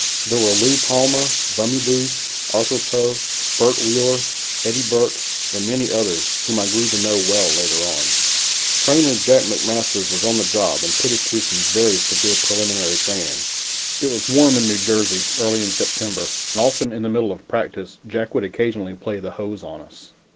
There were Lew Palmer, Bummie Booth, Arthur Poe, Bert Wheeler, Eddie Burke and many others whom I grew to know well later on. Trainer Jack McMasters was on the job and put us through some very severe preliminary training. It was warm in New Jersey early in September, and often in the middle of practice Jack would occasionally play the hose on us.